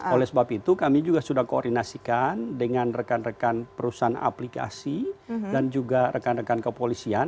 oleh sebab itu kami juga sudah koordinasikan dengan rekan rekan perusahaan aplikasi dan juga rekan rekan kepolisian